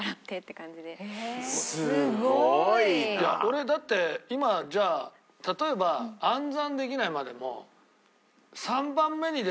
俺だって今じゃあ例えば暗算できないまでも。